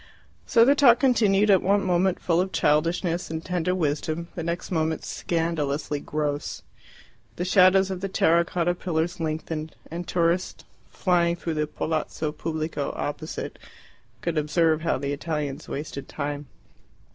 So their talk continued, at one moment full of childishness and tender wisdom, the next moment scandalously gross. The shadows of the terra cotta pillars lengthened, and tourists, flying through the Palazzo Pubblico opposite, could observe how the Italians wasted time.